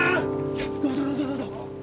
さあどうぞどうぞどうぞ！